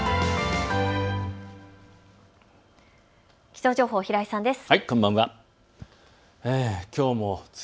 気象情報、平井さんです。